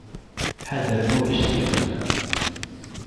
Ḥader ma ulac ad k-yexdeɛ.